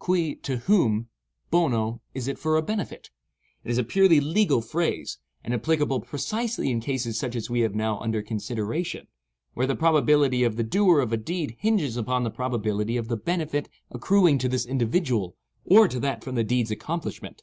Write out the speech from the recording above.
Cui, to whom; bono, is it for a benefit. It is a purely legal phrase, and applicable precisely in cases such as we have now under consideration, where the probability of the doer of a deed hinges upon the probability of the benefit accruing to this individual or to that from the deed's accomplishment.